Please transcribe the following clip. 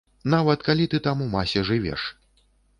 Нават калі ты там у масе жывеш!